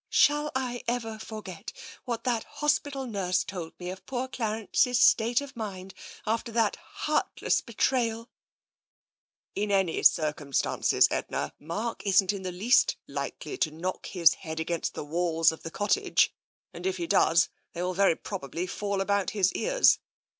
Shall I ever forget what that hospital nurse told me of poor Clarence's state of mind after that heartless betrayal "" In any circumstances, Edna, Mark isn't in the least likely to knock his head against the walls of the cottage, and if he does, they will very probably fall about his ears.